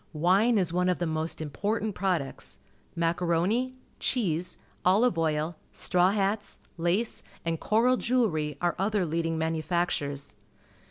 Wine is one of the most important products. Macaroni, cheese, olive oil, straw hats, lace, and coral jewellery are other leading manufactures.